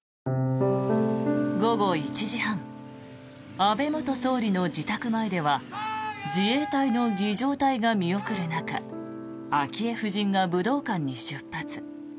午後１時半安倍元総理の自宅前では自衛隊の儀仗隊が見送る中昭恵夫人が武道館に出発。